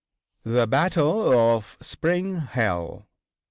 THE BATTLE OF SPRING HILL.